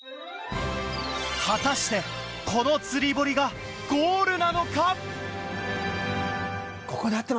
果たしてこの釣り堀がゴールなのか？